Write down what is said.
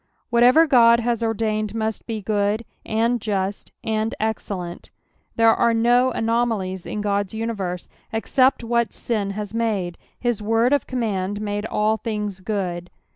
Whatever God has ordained must be good, and just, and excellent. There are no anomalies in God's universe, except what sin has made ; his word of command made all things good.